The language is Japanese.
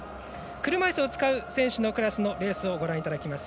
車いすを使う選手のクラスをご覧いただきます。